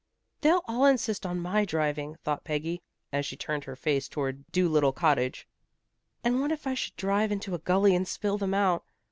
"They'll all insist on my driving," thought Peggy, as she turned her face toward Dolittle Cottage. "And what if I should drive into a gully and spill them out?